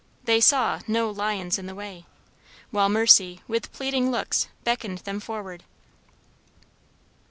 They saw no 'lions in the way,' while mercy, with pleading looks, beckoned them forward."